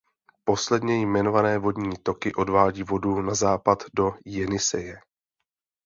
Posledně jmenované vodní toky odvádí vodu na západ do Jeniseje.